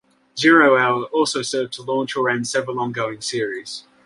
"Zero Hour" also served to launch or end several ongoing series.